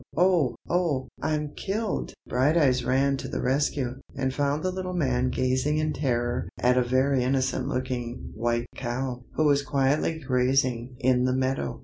oh! oh! I'm killed!" Brighteyes ran to the rescue, and found the little man gazing in terror at a very innocent looking white cow, who was quietly grazing in the meadow.